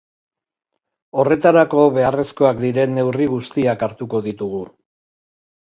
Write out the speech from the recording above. Horretarako beharrezkoak diren neurri guztiak hartuko ditugu.